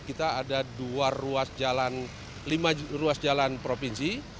kita ada dua ruas jalan lima ruas jalan provinsi